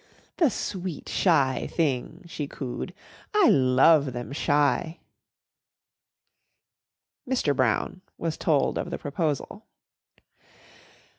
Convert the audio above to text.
"The sweet, shy thing!" she cooed. "I love them shy." Mr. Brown was told of the proposal.